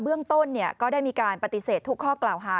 เบื้องต้นก็ได้มีการปฏิเสธทุกข้อกล่าวหา